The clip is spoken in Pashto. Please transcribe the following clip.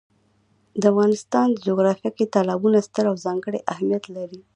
د افغانستان جغرافیه کې تالابونه ستر او ځانګړی اهمیت لري.